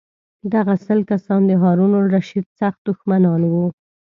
دغه سل کسان د هارون الرشید سخت دښمنان وو.